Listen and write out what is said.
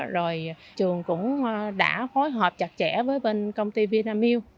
rồi trường cũng đã phối hợp chặt chẽ với bên công ty vinamilk